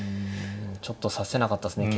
ちょっと指せなかったっすね。